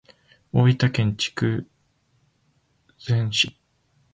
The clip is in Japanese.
大分県杵築市